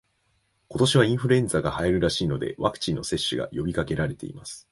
今年はインフルエンザが流行るらしいので、ワクチンの接種が呼びかけられています